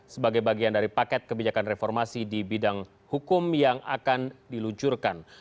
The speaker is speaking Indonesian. sebagai bagian dari paket kebijakan reformasi di bidang hukum yang akan diluncurkan